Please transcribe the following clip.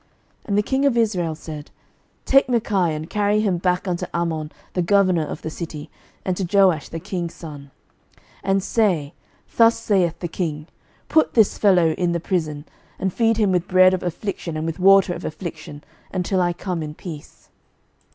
11:022:026 And the king of Israel said, Take Micaiah, and carry him back unto Amon the governor of the city, and to Joash the king's son; 11:022:027 And say, Thus saith the king, Put this fellow in the prison, and feed him with bread of affliction and with water of affliction, until I come in peace.